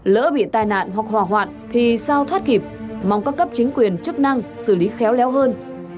lỡ bị tai nạn hoặc hỏa hoạn thì sao thoát kịp mong các cấp chính quyền chức năng xử lý khéo léo hơn